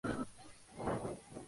Se recolecta en primavera.